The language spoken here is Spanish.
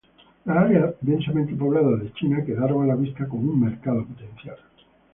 Las áreas densamente pobladas de China quedaron a la vista como un mercado potencial.